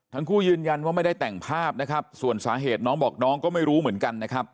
ทั้งคู่ยืนยันว่าไม่ได้แต่งภาพนะครับส่วนสาเหตุน้องบอกน้องก็ไม่รู้เหมือนกันนะครับ